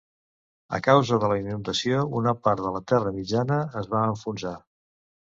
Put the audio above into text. A causa de la inundació una part de la terra mitjana es va enfonsar.